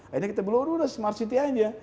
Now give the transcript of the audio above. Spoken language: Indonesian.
akhirnya kita belurus smart city aja